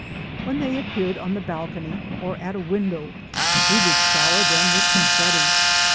When they appeared on the bal cony or at a window we would shower them with confetti.